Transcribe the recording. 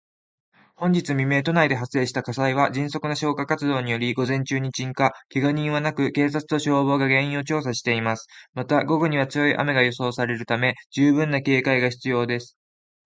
本日未明、都内で発生した火災は、迅速な消火活動により午前中に鎮火。けが人はなく、警察と消防が原因を調査しています。また、午後には強い雨が予想されるため、十分な警戒が必要です。